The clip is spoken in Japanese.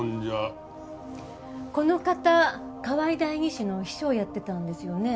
この方河合代議士の秘書をやってたんですよね？